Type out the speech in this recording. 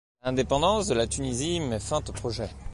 L’indépendance de la Tunisie met fin au projet.